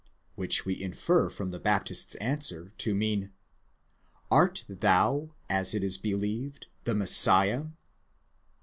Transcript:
σὺ ris εἶ; which we infer from the Baptist's answer to mean: " Art thou, as is believed, the Messiah?